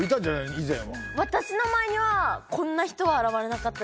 以前は私の前にはこんな人は現れなかったです